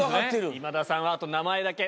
今田さんは名前だけ。